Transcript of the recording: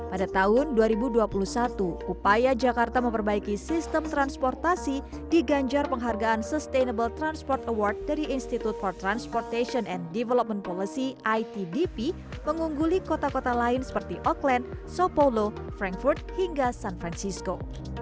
pada tahun dua ribu dua puluh satu upaya jakarta memperbaiki sistem transportasi diganjar penghargaan sustainable transport award dari institute for transportation and development policy itdp mengungguli kota kota lain seperti auckland sopolo frankfurt hingga san francisco